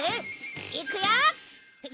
いくよ！